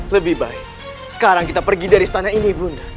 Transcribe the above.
lebih baik sekarang kita pergi dari istana ini bunda